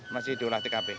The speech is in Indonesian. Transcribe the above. masih diolah tkp